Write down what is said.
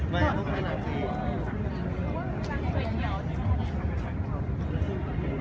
แม่กับผู้วิทยาลัย